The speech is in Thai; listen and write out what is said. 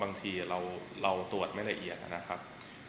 บางทีเราตรวจไม่ละเอียดนะครับ